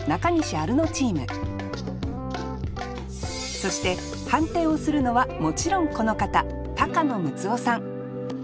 アルノチームそして判定をするのはもちろんこの方高野ムツオさん